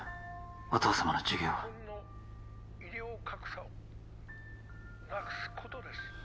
お父さまの授業は日本の医療格差をなくすことです